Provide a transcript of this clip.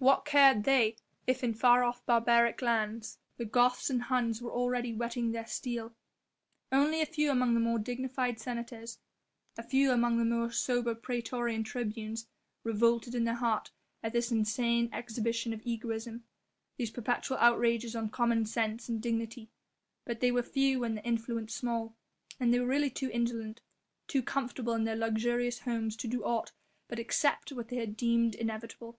What cared they if in far off barbaric lands the Goths and Huns were already whetting their steel. Only a few among the more dignified senators, a few among the more sober praetorian tribunes, revolted in their heart at this insane exhibition of egoism, these perpetual outrages on common sense and dignity; but they were few and their influence small, and they were really too indolent, too comfortable in their luxurious homes to do aught but accept what they deemed inevitable.